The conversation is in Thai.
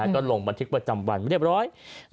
ก็ลงบันทึกประจำวันเรียบร้อย